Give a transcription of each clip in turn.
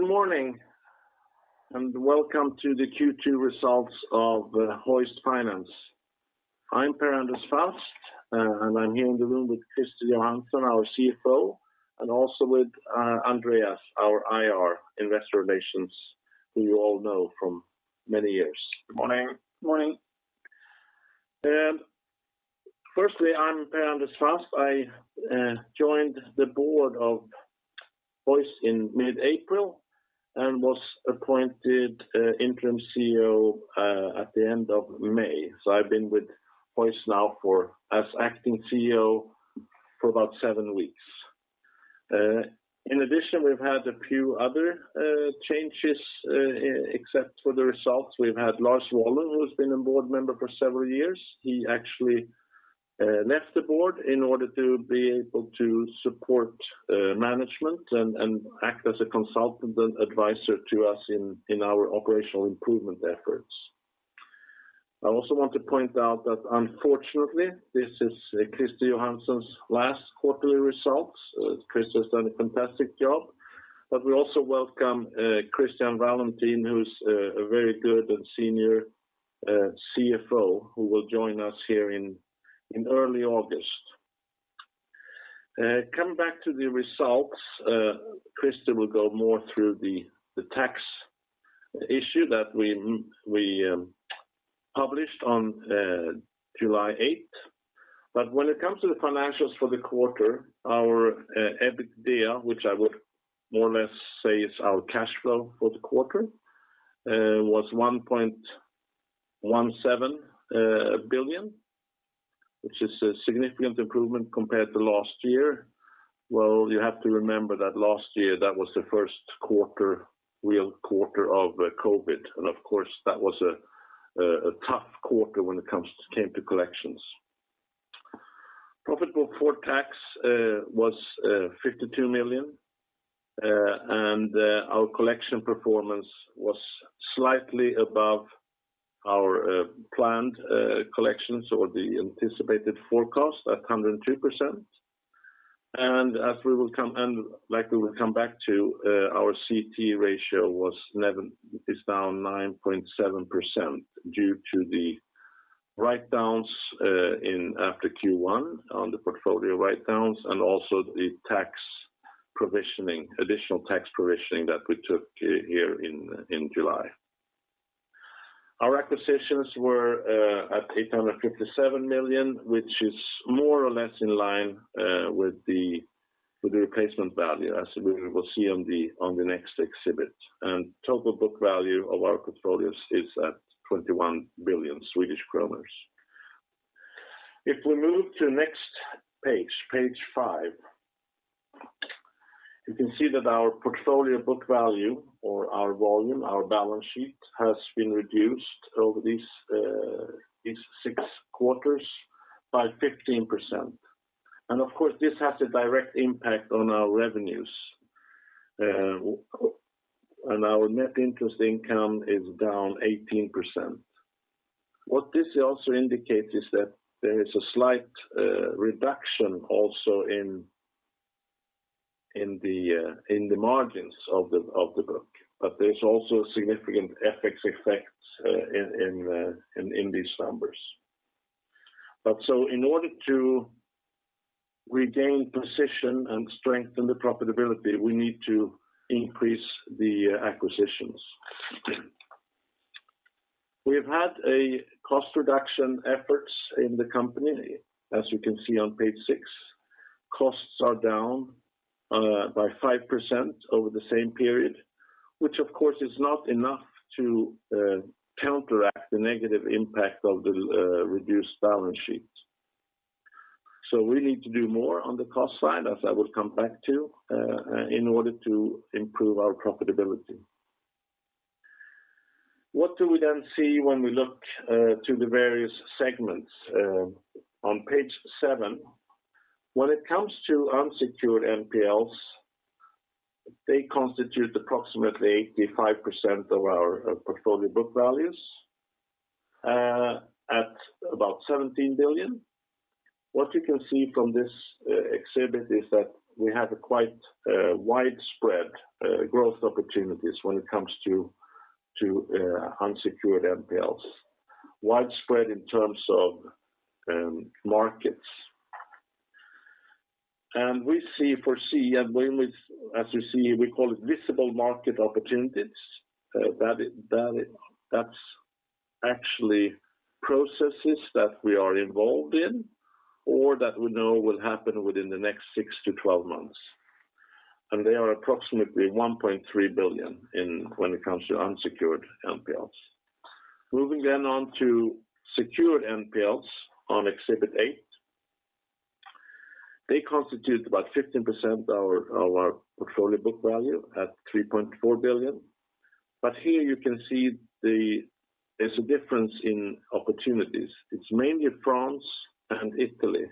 Good morning, and welcome to the Q2 results of Hoist Finance. I'm Per Anders Fasth, and I'm here in the room with Christer Johansson, our Chief Financial Officer, and also with Andreas, our Investor Relation, investor relations, who you all know from many years. Good morning. Morning. Firstly, I'm Per Anders Fasth. I joined the board of Hoist in mid-April and was appointed Interim Chief Executive Officer at the end of May. I've been with Hoist now as Acting Chief Executive Officer for about seven weeks. In addition, we've had a few other changes except for the results we've had Lars Wollung, who has been a board member for several years. He actually left the board in order to be able to support management and act as a consultant and advisor to us in our operational improvement efforts. I also want to point out that unfortunately, this is Christer Johansson's last quarterly results. Christer has done a fantastic job, but we also welcome Christian Wallentin, who's a very good and senior Chief Financial Officer who will join us here in early August. Coming back to the results, Christer will go more through the tax issue that we published on July 8th. When it comes to the financials for the quarter, our EBITDA, which I would more or less say is our cash flow for the quarter, was 1.17 billion, which is a significant improvement compared to last year. You have to remember that last year, that was the first real quarter of COVID, and of course, that was a tough quarter when it came to collections. Profit before tax was 52 million, and our collection performance was slightly above our planned collections or the anticipated forecast at 102%. As we will come back to, our CET1 ratio is down 9.7% due to the write downs after Q1 on the portfolio write downs and also the additional tax provisioning that we took here in July. Our acquisitions were at 857 million, which is more or less in line with the replacement value, as we will see on the next exhibit. Total book value of our portfolios is at 21 billion Swedish kronor. If we move to next page five, you can see that our portfolio book value or our volume, our balance sheet, has been reduced over these six quarters by 15%. Of course, this has a direct impact on our revenues. Our net interest income is down 18%. What this also indicates is that there is a slight reduction also in the margins of the book. There is also significant FX effects in these numbers. In order to regain position and strengthen the profitability, we need to increase the acquisitions. We have had a cost reduction efforts in the company, as you can see on page six. Costs are down by 5% over the same period, which of course, is not enough to counteract the negative impact of the reduced balance sheets. We need to do more on the cost side, as I will come back to, in order to improve our profitability. What do we then see when we look to the various segments? On page seven, when it comes to unsecured NPLs, they constitute approximately 85% of our portfolio book values at about 17 billion. What you can see from this exhibit is that we have quite widespread growth opportunities when it comes to unsecured NPLs, widespread in terms of markets. We see foresee and as you see we call it visible market opportunities. That's actually processes that we are involved in or that we know will happen within the next 6-12 months. They are approximately 1.3 billion when it comes to unsecured NPLs. Moving on to secured NPLs on exhibit. They constitute about 15% of our portfolio book value at 3.4 billion. Here you can see there's a difference in opportunities. It's mainly France and Italy,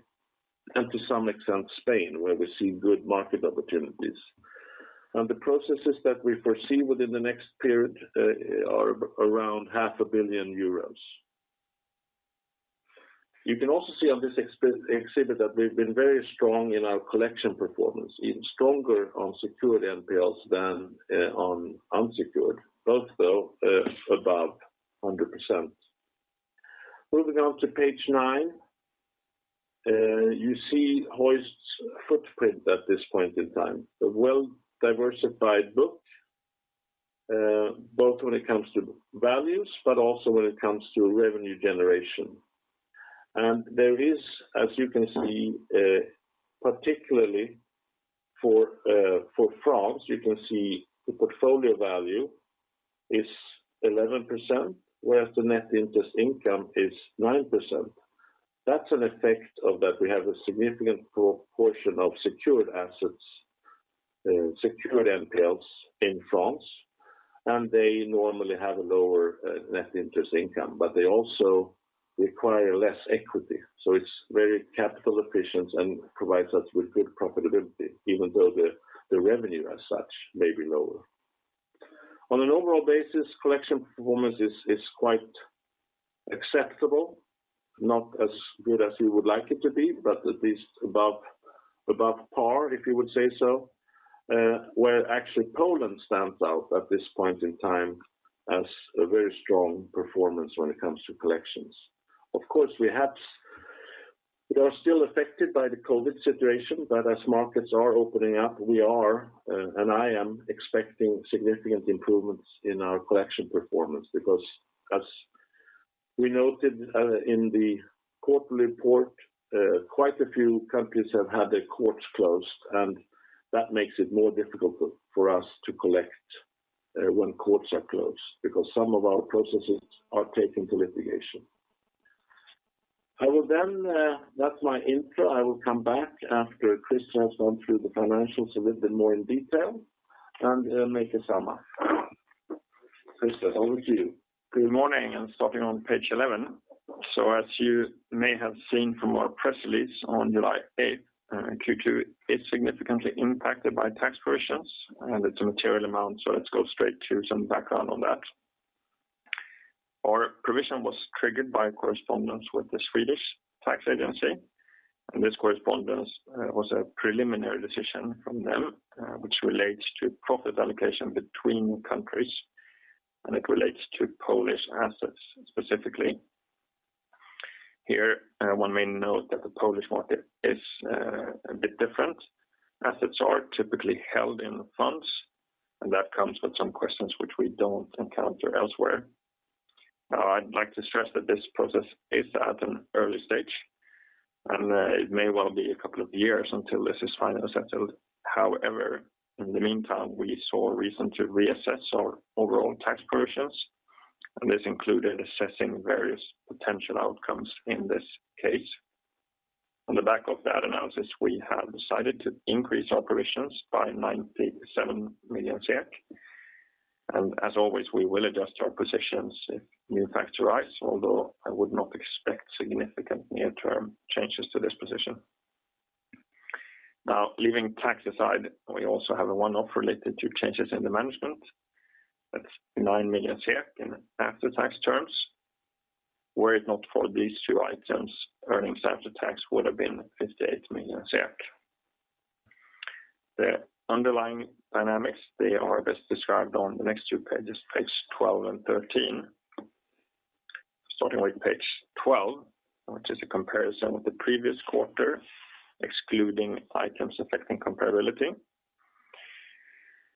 and to some extent, Spain, where we see good market opportunities. The processes that we foresee within the next period are around 500 million euros. You can also see on this exhibit that we've been very strong in our collection performance, even stronger on secured NPLs than on unsecured. Both though, above 100%. Moving on to page nine, you see Hoist's footprint at this point in time, a well diversified book, both when it comes to values but also when it comes to revenue generation. There is, as you can see, particularly for France, you can see the portfolio value is 11%, whereas the net interest income is 9%. That's an effect of that we have a significant portion of secured assets, secured NPLs in France, and they normally have a lower net interest income. They also require less equity, so it's very capital efficient and provides us with good profitability, even though the revenue as such may be lower. On an overall basis, collection performance is quite acceptable, not as good as we would like it to be, but at least above par, if you would say so. Where actually Poland stands out at this point in time as a very strong performance when it comes to collections. Of course, we are still affected by the COVID situation. As markets are opening up, we are and I am expecting significant improvements in our collection performance because as we noted in the quarterly report, quite a few countries have had their courts closed, and that makes it more difficult for us to collect when courts are closed because some of our processes are taken to litigation. That's my intro. I will come back after Christer has gone through the financials a little bit more in detail and make a summary. Christer, over to you. Good morning, starting on page 11. As you may have seen from our press release on July 8th, Q2 is significantly impacted by tax provisions. It's a material amount, let's go straight to some background on that. Our provision was triggered by a correspondence with the Swedish Tax Agency. This correspondence was a preliminary decision from them, which relates to profit allocation between countries. It relates to Polish assets specifically. Here, one may note that the Polish market is a bit different. Assets are typically held in funds. That comes with some questions which we don't encounter elsewhere. Now, I'd like to stress that this process is at an early stage. It may well be a couple of years until this is finally settled. However, in the meantime, we saw reason to reassess our overall tax provisions, and this included assessing various potential outcomes in this case. On the back of that analysis, we have decided to increase our provisions by 97 million. As always, we will adjust our positions if new facts arise, although I would not expect significant near-term changes to this position. Now, leaving tax aside, we also have a one-off related to changes in the management. That's 9 million in after-tax terms. Were it not for these two items, earnings after tax would have been 58 million. The underlying dynamics, they are best described on the next two pages 12 and 13. Starting with page 12, which is a comparison with the previous quarter, excluding items affecting comparability.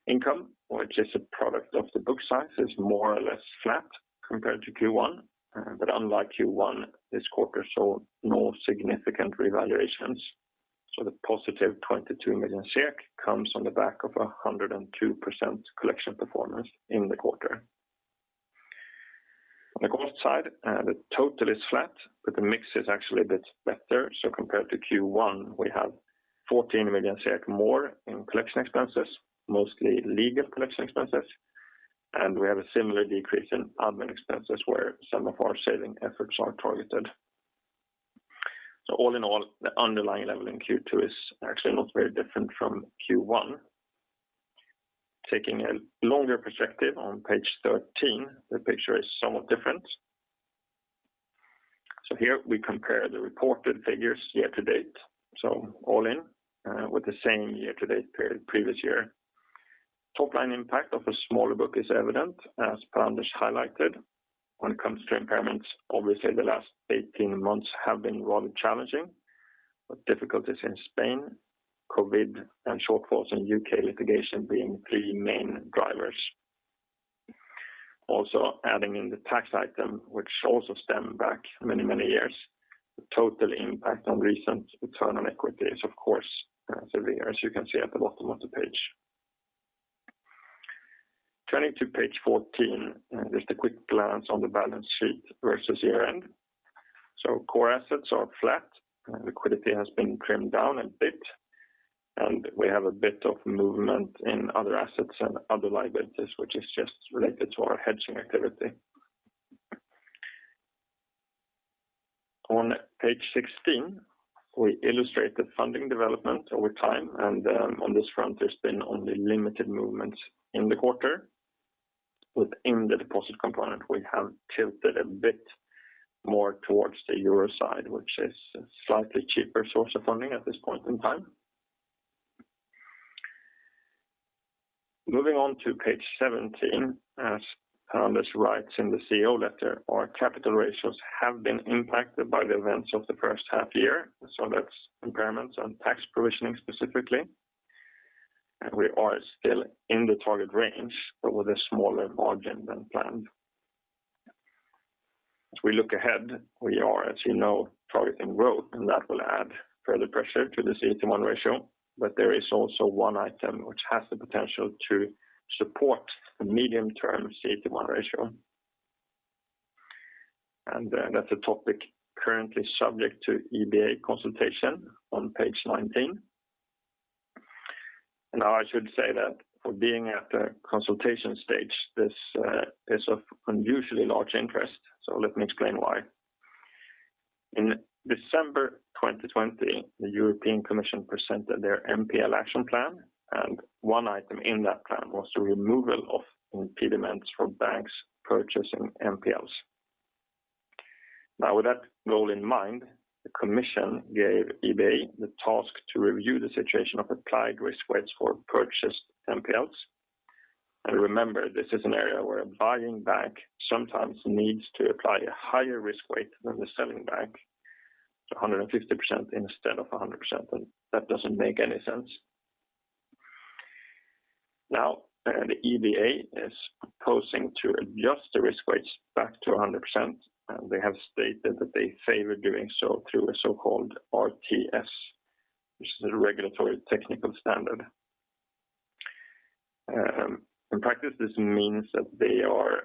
Income, which is a product of the book size, is more or less flat compared to Q1. Unlike Q1, this quarter saw no significant revaluations. The positive 22 million comes on the back of 102% collection performance in the quarter. On the cost side, the total is flat, but the mix is actually a bit better. Compared to Q1, we have 14 million more in collection expenses, mostly legal collection expenses. We have a similar decrease in admin expenses where some of our saving efforts are targeted. All in all, the underlying level in Q2 is actually not very different from Q1. Taking a longer perspective on page 13, the picture is somewhat different. Here we compare the reported figures year-to-date. All in, with the same year-to-date period previous year. Top line impact of a smaller book is evident, as Per Anders highlighted. When it comes to impairments, obviously the last 18 months have been rather challenging. With difficulties in Spain, COVID, and shortfalls in U.K. litigation being three main drivers. Adding in the tax item, which also stem back many years. The total impact on recent return on equity is of course severe, as you can see at the bottom of the page. Turning to page 14, just a quick glance on the balance sheet versus year-end. Core assets are flat. Liquidity has been trimmed down a bit. We have a bit of movement in other assets and other liabilities, which is just related to our hedging activity. On page 16, we illustrate the funding development over time and on this front, there's been only limited movements in the quarter. Within the deposit component, we have tilted a bit more towards the euro side, which is a slightly cheaper source of funding at this point in time. Moving on to page 17, as Anders writes in the Chief Executive Officer letter, our capital ratios have been impacted by the events of the first half year, so that's impairments and tax provisioning specifically. We are still in the target range but with a smaller margin than planned. As we look ahead, we are, as you know, targeting growth, and that will add further pressure to the CET1 ratio, but there is also one item which has the potential to support the medium-term CET1 ratio. That's a topic currently subject to EBA consultation on page 19. I should say that for being at the consultation stage, this is of unusually large interest. Let me explain why. In December 2020, the European Commission presented their NPL Action Plan, and one item in that plan was the removal of impediments for banks purchasing NPLs. With that goal in mind, the Commission gave EBA the task to review the situation of applied risk weights for purchased NPLs. Remember, this is an area where a buying bank sometimes needs to apply a higher risk weight than the selling bank, so 150% instead of 100%, and that doesn't make any sense. The EBA is proposing to adjust the risk weights back to 100%, and they have stated that they favor doing so through a so-called RTS, which is a Regulatory Technical Standard. In practice, this means that they are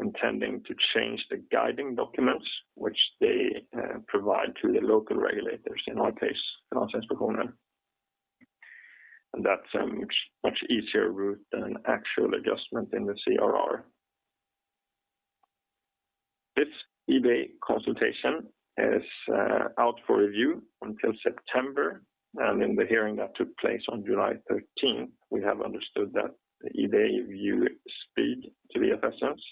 intending to change the guiding documents which they provide to the local regulators, in our case, Finansinspektionen. That's a much easier route than actual adjustment in the CRR. This EBA consultation is out for review until September. In the hearing that took place on July 13th, we have understood that the EBA view speed to the assessments.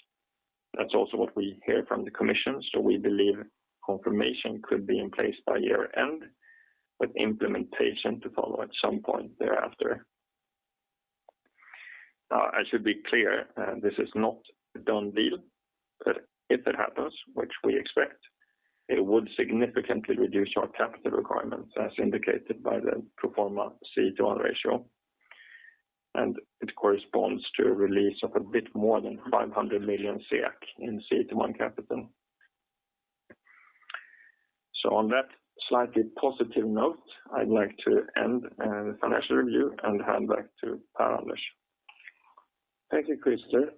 That's also what we hear from the Commission. We believe confirmation could be in place by year-end, with implementation to follow at some point thereafter. I should be clear, this is not a done deal. If it happens, which we expect, it would significantly reduce our capital requirements, as indicated by the pro forma CET1 ratio. It corresponds to a release of a bit more than 500 million in CET1 capital. On that slightly positive note, I'd like to end the financial review and hand back to Per Anders. Thank you, Christer.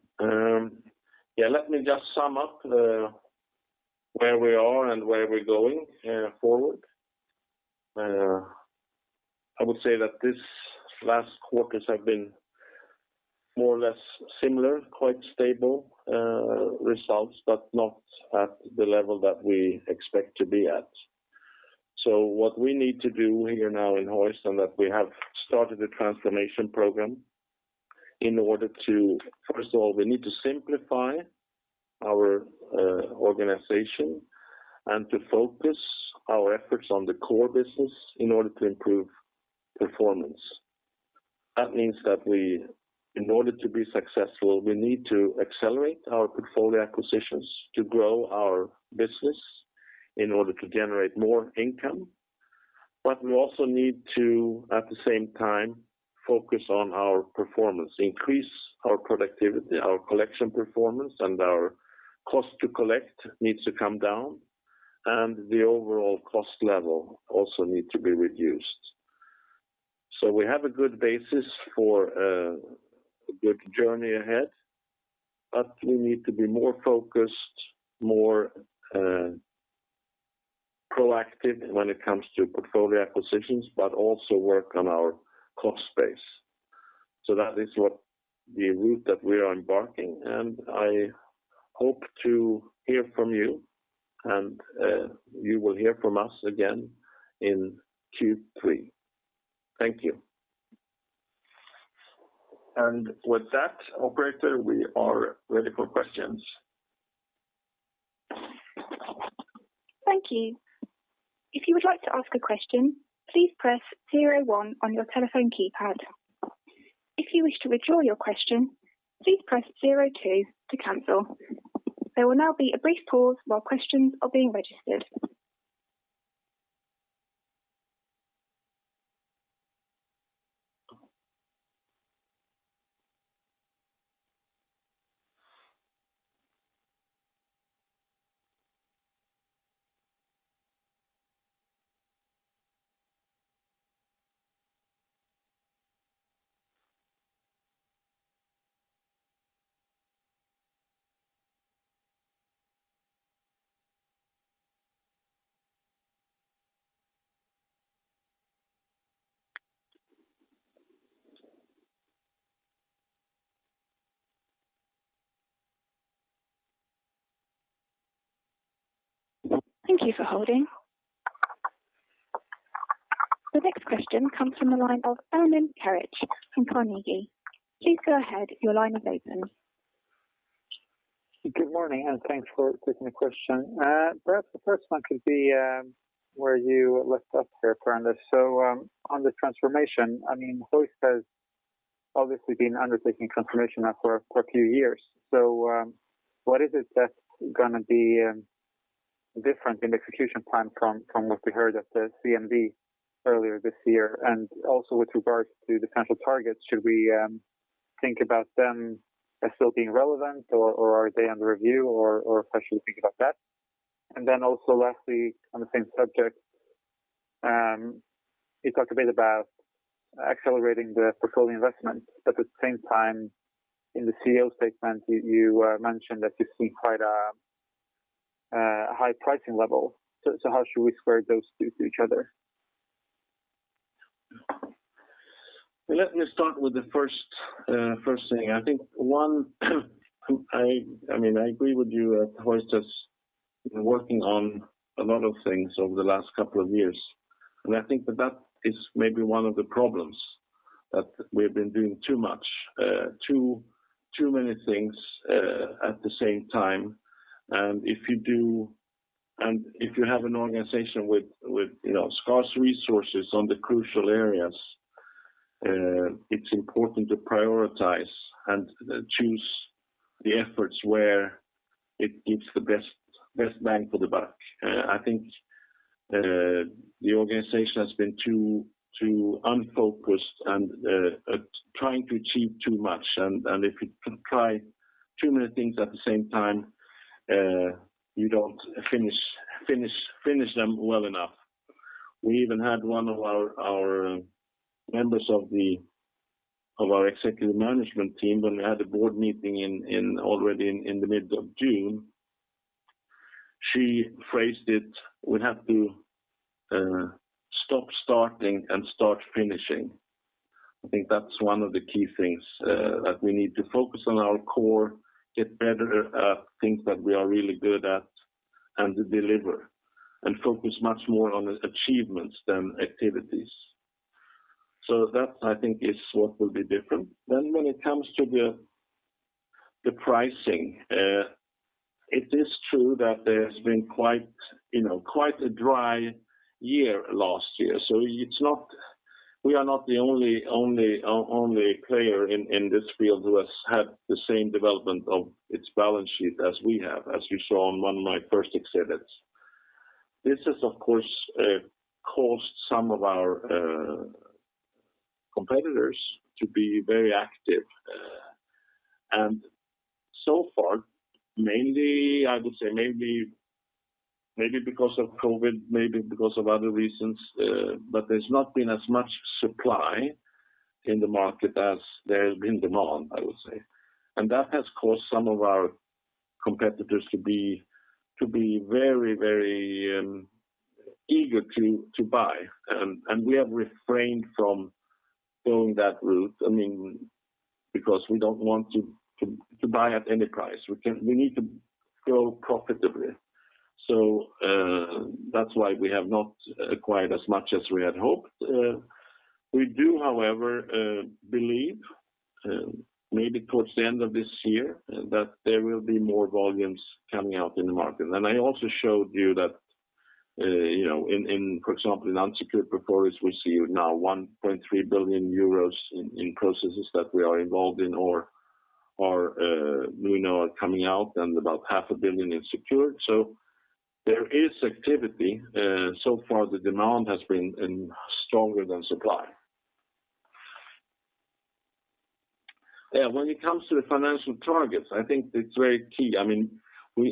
Let me just sum up where we are and where we're going forward. I would say that these last quarters have been more or less similar, quite stable results, but not at the level that we expect to be at. What we need to do here now in Hoist and that we have started a transformation program in order to, first of all, we need to simplify our organization and to focus our efforts on the core business in order to improve performance. That means that in order to be successful, we need to accelerate our portfolio acquisitions to grow our business in order to generate more income. We also need to, at the same time, focus on our performance, increase our productivity, our collection performance, and our cost to collect needs to come down, and the overall cost level also needs to be reduced. We have a good basis for a good journey ahead, but we need to be more focused, more proactive when it comes to portfolio acquisitions, but also work on our cost base. That is the route that we are embarking on, and I hope to hear from you, and you will hear from us again in Q3. Thank you. With that, operator, we are ready for questions. Thank you. If you would like to ask a question, please press zero one on yoour telephone keypad. If you wish to recall your question, please press zero two to cancel. There will now be a brief pause whole questions are being registered. Thank you for holding. The next question comes from the line of Armin Carrick from Carnegie. Please go ahead. Your line is open. Good morning, thanks for taking the question. Perhaps the first one could be where you left off here, Per Anders. On the transformation, Hoist has obviously been undertaking transformation now for a few years. What is it that's going to be different in the execution plan from what we heard at the CMD earlier this year? Also with regards to the financial targets, should we think about them as still being relevant, or are they under review, or how should we think about that? Also lastly, on the same subject, you talked a bit about accelerating the portfolio investment, but at the same time in the Chief Executive Officer statement, you mentioned that you see quite a high pricing level. How should we square those two to each other? Let me start with the first thing. I agree with you that Hoist has been working on a lot of things over the last couple of years, and I think that is maybe one of the problems, that we've been doing too much, too many things at the same time. If you have an organization with scarce resources on the crucial areas, it's important to prioritize and choose the efforts where it gives the best bang for the buck. I think the organization has been too unfocused and trying to achieve too much, and if you try too many things at the same time, you don't finish them well enough. We even had one of our members of our executive management team, when we had the board meeting already in the middle of June, she phrased it, we have to stop starting and start finishing. I think that's one of the key things, that we need to focus on our core, get better at things that we are really good at, and to deliver, and focus much more on achievements than activities. That, I think, is what will be different. When it comes to the pricing, it is true that there's been quite a dry year last year. We are not the only player in this field who has had the same development of its balance sheet as we have, as you saw on one of my first exhibits. This has, of course, caused some of our competitors to be very active. So far, I would say maybe because of COVID, maybe because of other reasons, but there's not been as much supply in the market as there has been demand, I would say. That has caused some of our competitors to be very eager to buy. We have refrained from going that route because we don't want to buy at any price. We need to grow profitably. That's why we have not acquired as much as we had hoped. We do, however, believe, maybe towards the end of this year, that there will be more volumes coming out in the market. I also showed you that, for example, in unsecured NPLs, we see now 1.3 billion euros in processes that we are involved in or we know are coming out, and about 500 million is secured NPLs. There is activity. So far the demand has been stronger than supply. When it comes to the financial targets, I think it's very key.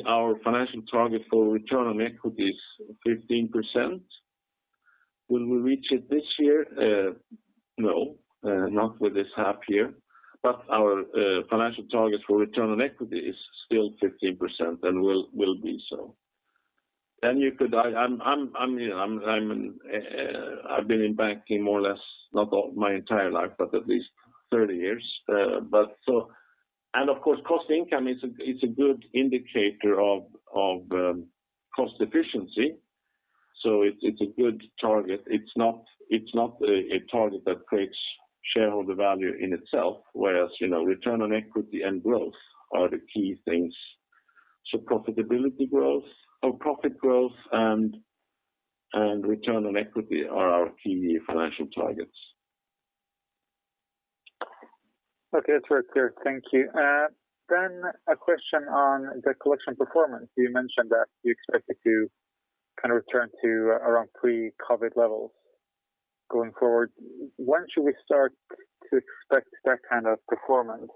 Our financial target for return on equity is 15%. Will we reach it this year? No, not with this half year, but our financial target for return on equity is still 15% and will be so. I've been in banking more or less, not my entire life, but at least 30 years. Of course, cost income it's a good indicator of cost efficiency. It's a good target. It's not a target that creates shareholder value in itself, whereas return on equity and growth are the key things. Profitability growth or profit growth and return on equity are our key financial targets. Okay. That's very clear. Thank you. A question on the collection performance. You mentioned that you expected to return to around pre-COVID levels going forward. When should we start to expect that kind of performance?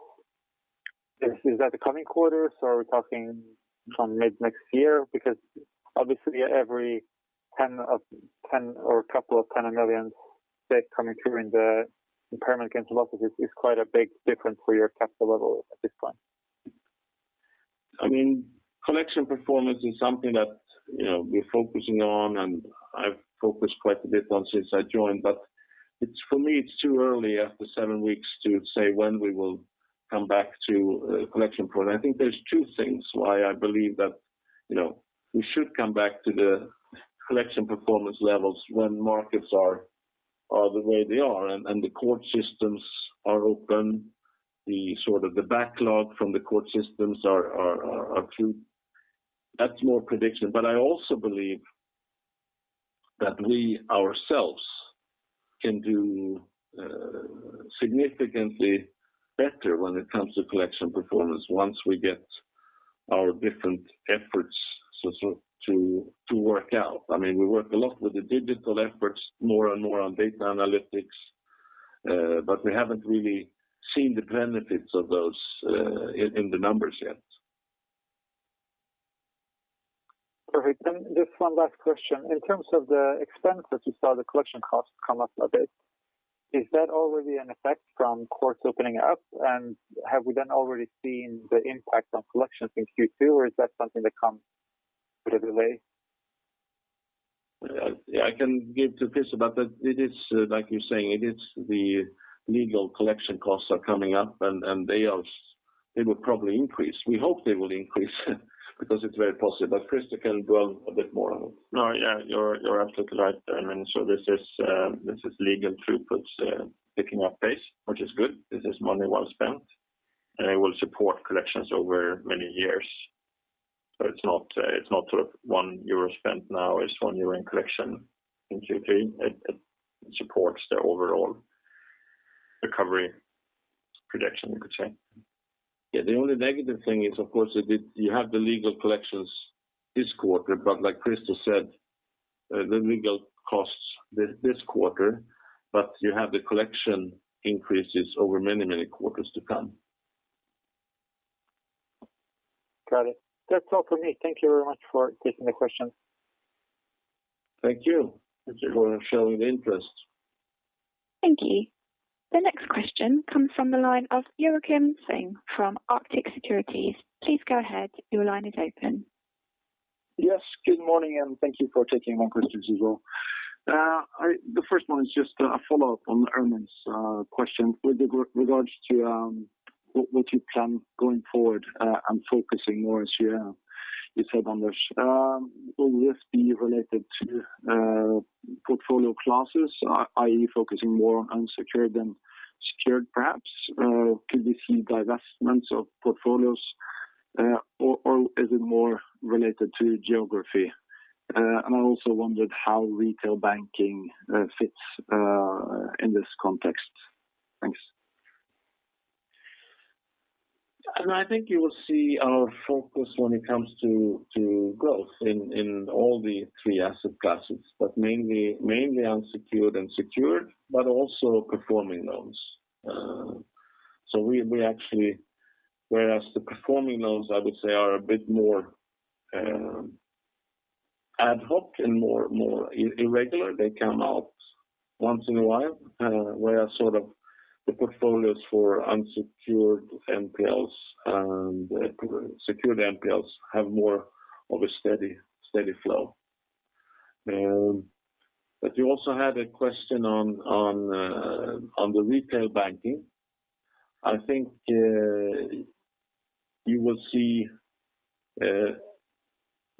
Is that the coming quarters, or are we talking mid-next year? Because obviously every 10 million or a couple of 10 million coming through in the impairment gain losses is quite a big difference for your capital level at this point. Collection performance is something that we're focusing on, and I've focused quite a bit on since I joined. For me, it's too early after seven weeks to say when we will come back to collection performance. I think there's two things why I believe that we should come back to the collection performance levels when markets are the way they are, and the court systems are open, the backlog from the court systems are few. That's more prediction. I also believe that we ourselves can do significantly better when it comes to collection performance once we get our different efforts to work out. We work a lot with the digital efforts, more and more on data analytics, but we haven't really seen the benefits of those in the numbers yet. Perfect. Just one last question. In terms of the expense that you saw the collection cost come up a bit, is that already an effect from courts opening up? Have we already seen the impact on collections in Q2, or is that something that comes a bit delayed? I can give to Christer. It is like you're saying, the legal collection costs are coming up, and they will probably increase. We hope they will increase because it's very possible. Christer can go a bit more on that. No, you're absolutely right, Armin. This is legal throughputs picking up pace, which is good. This is money well spent, and it will support collections over many years. It's not 1 euro spent now is 1 euro in collection in Q3. It supports the overall recovery projection, you could say. Yeah, the only negative thing is, of course, you have the legal collections this quarter, but like Christer said, the legal costs this quarter, but you have the collection increases over many, many quarters to come. Got it. That's all for me. Thank you very much for taking the question. Thank you. Thank you for showing the interest. Thank you. The next question comes from the line of Joakim Svingen from Arctic Securities. Please go ahead. Your line is open. Yes, good morning. Thank you for taking my questions as well. The first one is just a follow-up on Armin's question with regards to what you plan going forward and focusing more as you have said on this. Will this be related to portfolio classes, i.e., focusing more on unsecured than secured, perhaps? Could we see divestments of portfolios or is it more related to geography? I also wondered how retail banking fits in this context. Thanks. I think you will see our focus when it comes to growth in all the three asset classes, but mainly unsecured and secured, but also performing loans. We actually, whereas the performing loans, I would say, are a bit more ad hoc and more irregular, they come out once in a while where the portfolios for unsecured NPLs and secured NPLs have more of a steady flow. You also had a question on the retail banking. I think you will see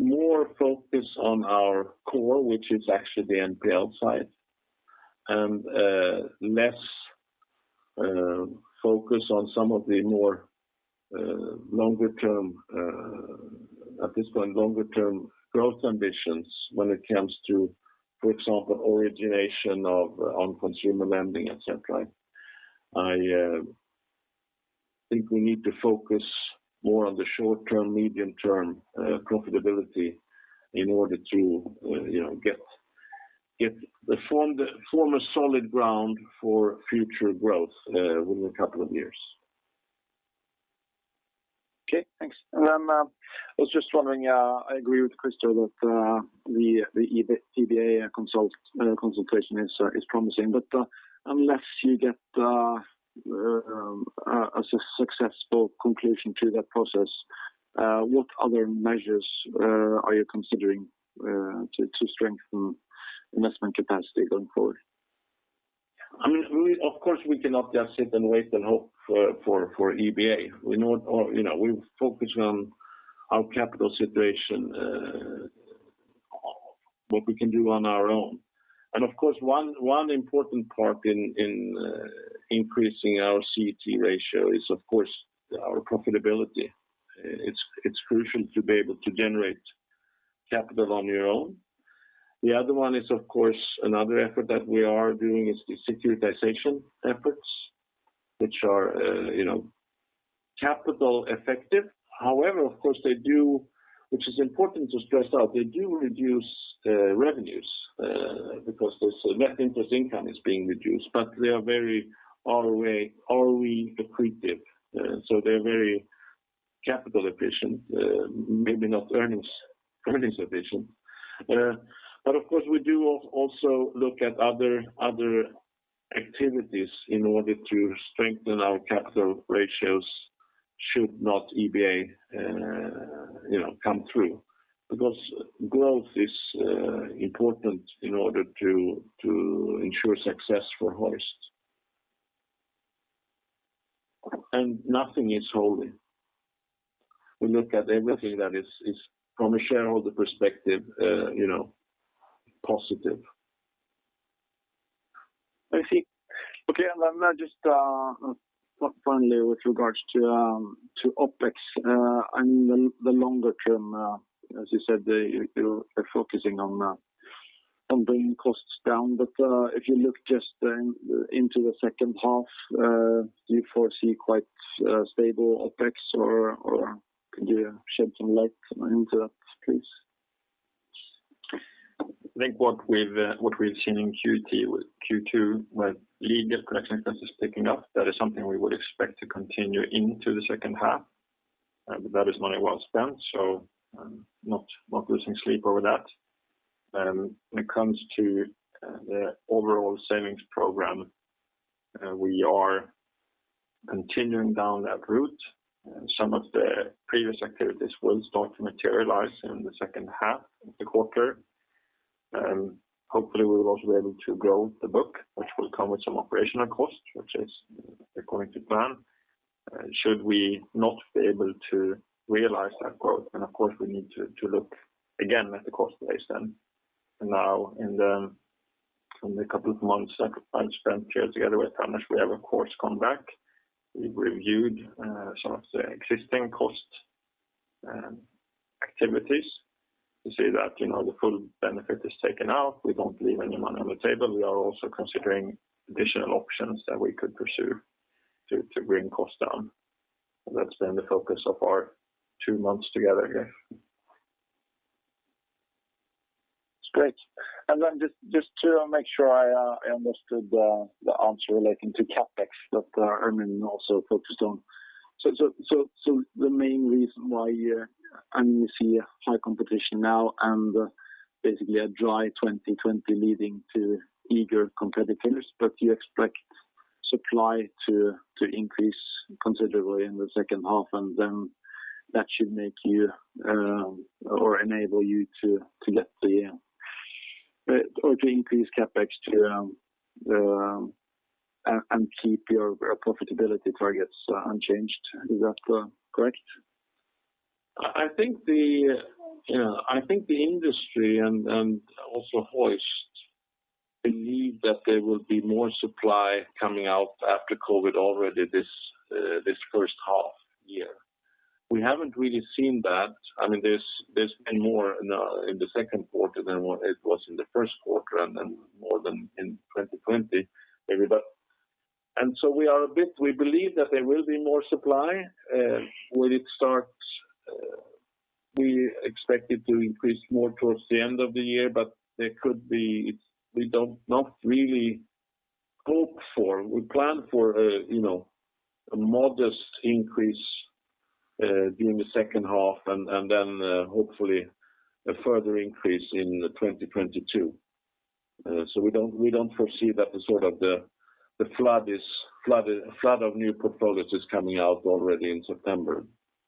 more focus on our core, which is actually the NPL side, and less focus on some of the more longer term, at this point, longer term growth ambitions when it comes to, for example, origination of on consumer lending, et cetera. I think we need to focus more on the short term, medium term profitability in order to form a solid ground for future growth within a couple of years. Okay, thanks. I was just wondering, I agree with Christer that the EBA consultation is promising, but unless you get a successful conclusion to that process, what other measures are you considering to strengthen investment capacity going forward? Of course, we cannot just sit and wait and hope for EBA. We focus on our capital situation, what we can do on our own. Of course, one important part in increasing our CET ratio is, of course, our profitability. It's crucial to be able to generate capital on your own. The other one is, of course, another effort that we are doing is the securitization efforts, which are capital effective. However, of course, they do, which is important to stress out, they do reduce revenues because there's net interest income is being reduced, but they are very ROE accretive. They're very capital efficient, maybe not earnings efficient. Of course, we do also look at other activities in order to strengthen our capital ratios. Should not EBA come through because growth is important in order to ensure success for Hoist. Nothing is holy. We look at everything that is from a shareholder perspective positive. I see. Okay. Then just finally with regards to OpEx and the longer term, as you said, you are focusing on bringing costs down. If you look just into the second half, do you foresee quite stable OpEx or could you shed some light into that, please? I think what we've seen in Q2 with legal collection expenses picking up, that is something we would expect to continue into the second half. That is money well spent. I'm not losing sleep over that. When it comes to the overall savings program, we are continuing down that route. Some of the previous activities will start to materialize in the second half of the quarter. Hopefully we will also be able to grow the book, which will come with some operational costs, which is according to plan. Should we not be able to realize that growth, of course we need to look again at the cost base then. In the couple of months that I've spent here together with Anders, we have of course come back. We've reviewed some of the existing cost activities to see that the full benefit is taken out. We don't leave any money on the table. We are also considering additional options that we could pursue to bring costs down. That's been the focus of our two months together here. Great. Just to make sure I understood the answer relating to CapEx that Armin also focused on. The main reason why you see high competition now and basically a dry 2020 leading to eager competitors, but you expect supply to increase considerably in the second half and then that should make you or enable you to increase CapEx and keep your profitability targets unchanged. Is that correct? I think the industry and also Hoist believe that there will be more supply coming out after COVID already this first half year. We haven't really seen that. There's been more in the second quarter than what it was in the first quarter and then more than in 2020, maybe that. We believe that there will be more supply. Will it start? We expect it to increase more towards the end of the year. We don't not really hope for. We plan for a modest increase during the second half and then hopefully a further increase in 2022. We don't foresee that the flood of new portfolios coming out already in September,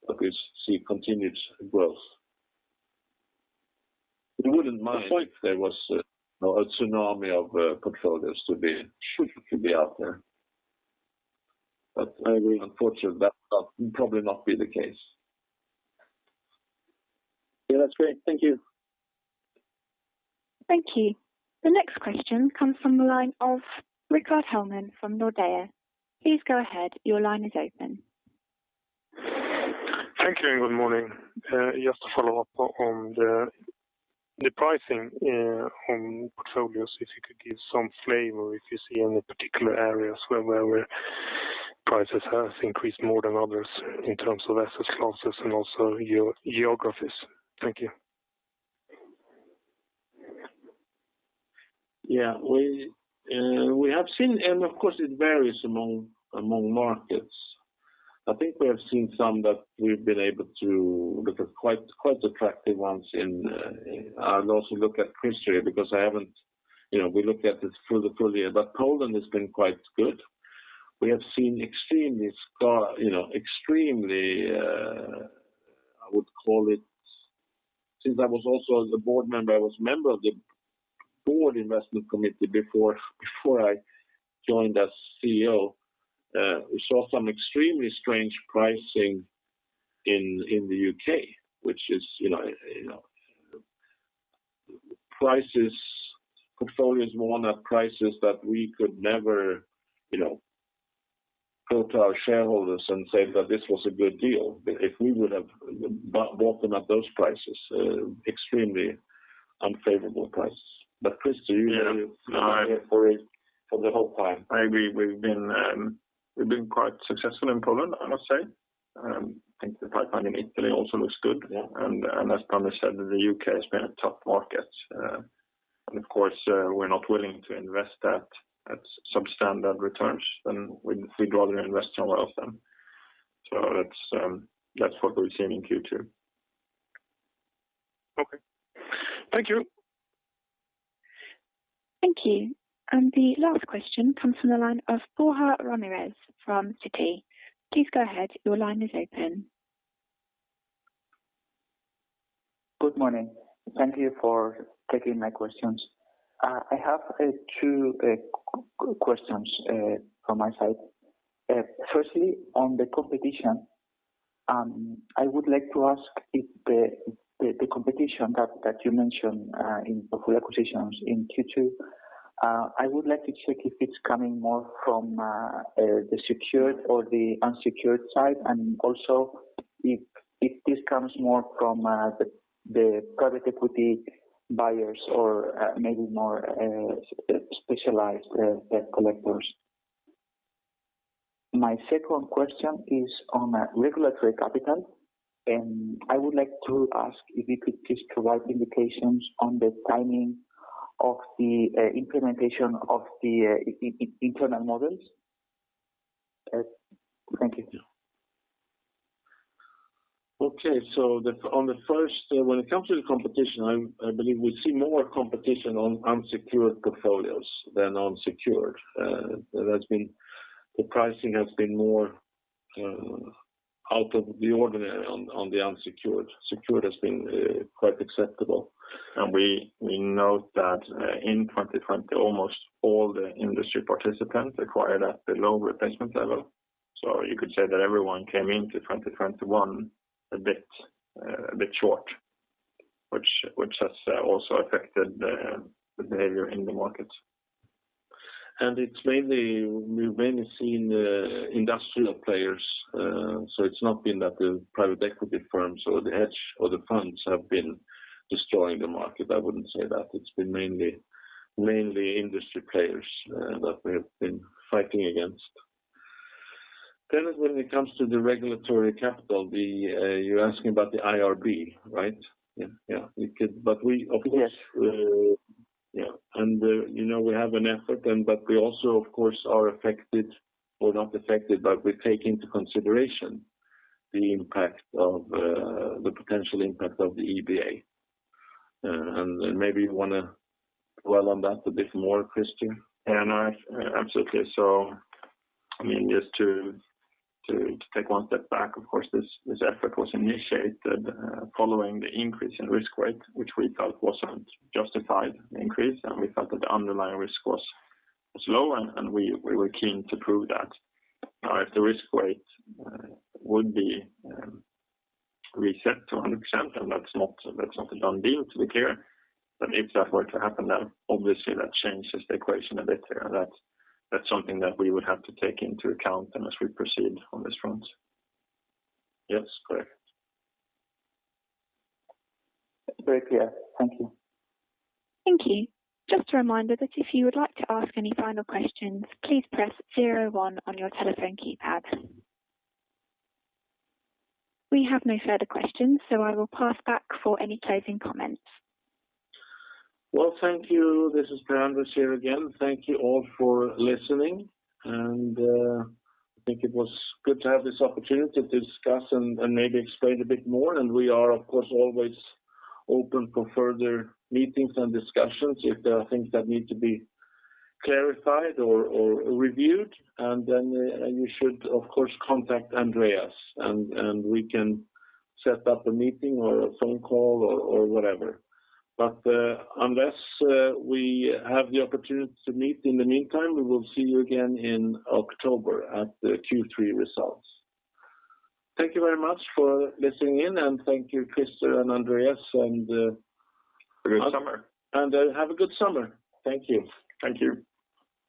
but we see continued growth. We wouldn't mind if there was a tsunami of portfolios to be out there. Unfortunately that will probably not be the case. Yeah, that's great. Thank you. Thank you. The next question comes from the line of Rickard Hellman from Nordea. Please go ahead. Your line is open. Thank you and good morning. Just to follow-up on the pricing on portfolios, if you could give some flavor, if you see any particular areas where prices have increased more than others in terms of assets classes and also geographies. Thank you. Yeah. We have seen, and of course it varies among markets. I think we have seen some that we've been able to look at quite attractive ones in I'll also look at Christer because we looked at it further, but Poland has been quite good. We have seen extremely, I would call it, since I was also as a board member, I was member of the board investment committee before I joined as Chief Executive Officer. We saw some extremely strange pricing in the U.K., which is portfolios were not prices that we could never go to our shareholders and say that this was a good deal if we would have bought them at those prices, extremely unfavorable prices. Christer, you have been here for the whole time. We've been quite successful in Poland, I must say. I think the pipeline in Italy also looks good. Yeah. As Anders said, the U.K. has been a tough market. Of course, we're not willing to invest at substandard returns, then we'd rather invest nowhere else then. That's what we've seen in Q2. Thank you. Thank you. The last question comes from the line of Borja Ramirez from Citi. Please go ahead. Your line is open. Good morning. Thank you for taking my questions. I have two questions from my side. Firstly, on the competition, I would like to ask if the competition that you mentioned in portfolio acquisitions in Q2, I would like to check if it's coming more from the secured or the unsecured side, and also if this comes more from the private equity buyers or maybe more specialized debt collectors. My second question is on regulatory capital, and I would like to ask if you could just provide indications on the timing of the implementation of the internal models. Thank you. When it comes to the competition, I believe we see more competition on unsecured portfolios than on secured. The pricing has been more out of the ordinary on the unsecured. Secured has been quite acceptable. We note that in 2020, almost all the industry participants acquired at the low replacement level. You could say that everyone came into 2021 a bit short, which has also affected the behavior in the market. We've mainly seen industrial players. It's not been that the private equity firms or the hedge or the funds have been destroying the market. I wouldn't say that. It's been mainly industry players that we have been fighting against. When it comes to the regulatory capital, you're asking about the IRB, right? Yes. Yeah. We have an effort, but we also, of course, are affected or not affected, but we take into consideration the potential impact of the EBA. Maybe you want to dwell on that a bit more, Christer. Yeah, absolutely. Just to take one step back, of course, this effort was initiated following the increase in risk weight, which we felt was an unjustified increase, and we felt that the underlying risk was low, and we were keen to prove that. If the risk weight would be reset to 100%, and that's not a done deal, to be clear, but if that were to happen, then obviously that changes the equation a bit there, and that's something that we would have to take into account as we proceed on this front. Yes, correct. It's very clear. Thank you. Thank you. Just a reminder that if you would like to ask any final questions, please press zero one on your telephone keypad. We have no further questions, I will pass back for any closing comments. Well, thank you. This is Per Anders here again. Thank you all for listening. I think it was good to have this opportunity to discuss and maybe explain a bit more. We are, of course, always open for further meetings and discussions if there are things that need to be clarified or reviewed. You should, of course, contact Andreas, and we can set up a meeting or a phone call or whatever. Unless we have the opportunity to meet in the meantime, we will see you again in October at the Q3 results. Thank you very much for listening in. Thank you, Christer and Andreas. Have a good summer. Have a good summer. Thank you. Thank you.